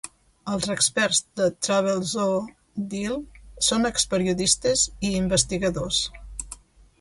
Els experts de Travelzoo Deal són experiodistes i investigadors.